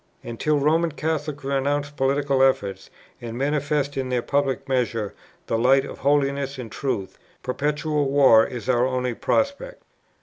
And till Roman Catholics renounce political efforts, and manifest in their public measures the light of holiness and truth, perpetual war is our only prospect."